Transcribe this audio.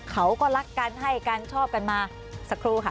เขาก็รักกันให้กันชอบกันมาสักครู่ค่ะ